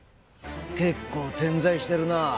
結構点在してるなあ